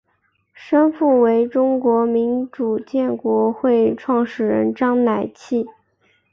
生父为中国民主建国会创始人章乃器。